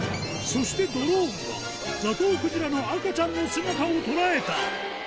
そしてドローンは、ザトウクジラの赤ちゃんの姿を捉えた。